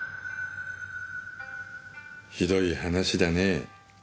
ひどい話だねぇ。